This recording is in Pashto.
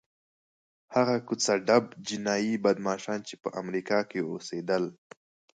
هغه کوڅه ډب جنایي بدماشان چې په امریکا کې اوسېدل.